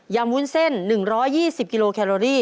วุ้นเส้น๑๒๐กิโลแคโรรี่